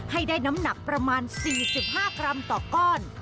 ให้ได้น้ำหนักประมาณ๔๕กรัมต่อก้อน